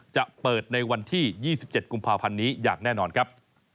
จะเปิดในวันที่๒๗กุมภาพันธ์นี้อย่างแน่นอนครับ